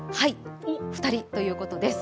２人ということです。